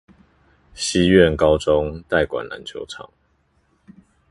西苑高中代管籃球場